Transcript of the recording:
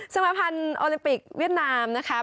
มาพันธ์โอลิมปิกเวียดนามนะคะ